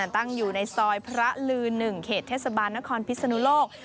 ตั้งอยู่ในซอยพระลือ๑เขตเทศบาลนครพิศนุโลก